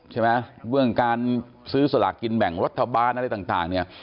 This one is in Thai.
ใช่ไหมเรื่องการซื้อสลากกินแบ่งรัฐบาลอะไรต่างเนี่ย